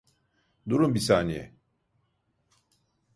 Durun bir saniye.